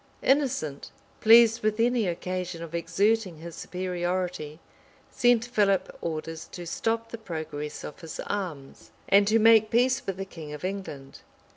Innocent, pleased with any occasion of exerting his superiority, sent Philip orders to stop the progress of his arms, and to make peace with the king of England.